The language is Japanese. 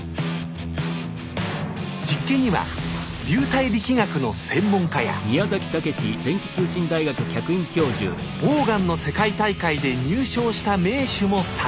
実験には流体力学の専門家やボウガンの世界大会で入賞した名手も参加。